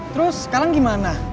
terus sekarang gimana